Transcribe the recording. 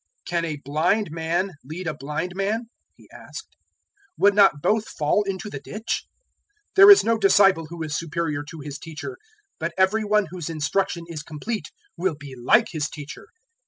"Can a blind man lead a blind man?" He asked; "would not both fall into the ditch? 006:040 There is no disciple who is superior to his teacher; but every one whose instruction is complete will be like his teacher.